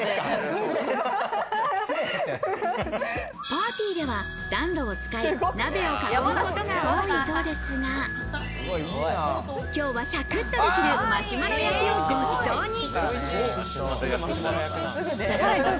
パーティーでは暖炉を使い、鍋を囲むことが多いそうですが、今日はサクッとできるマシュマロ焼きを、ごちそうに。